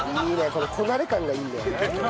このこなれ感がいいんだよね。